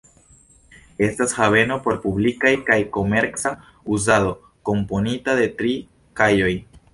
Estas haveno por publikaj kaj komerca uzado, komponita de tri kajoj.